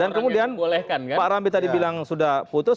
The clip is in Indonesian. dan kemudian pak rambi tadi bilang sudah putus